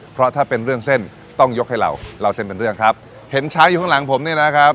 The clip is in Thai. เพราะถ้าเป็นเรื่องเส้นต้องยกให้เราเล่าเส้นเป็นเรื่องครับเห็นช้างอยู่ข้างหลังผมเนี่ยนะครับ